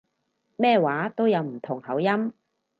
咩話都有唔同口音